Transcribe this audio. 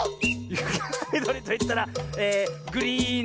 「ゆかがみどりといったらグリーンのおうち！」